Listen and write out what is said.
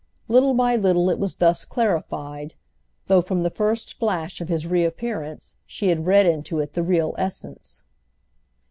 Little by little it was thus clarified, though from the first flash of his re appearance she had read into it the real essence.